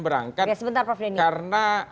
berangkat sebentar prof ya karena